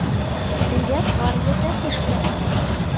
Өйҙәш бар ерҙә һүҙ сыға.